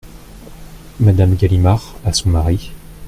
Madame Galimard , à son mari.